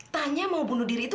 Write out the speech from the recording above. tanya mau bunuh diri itu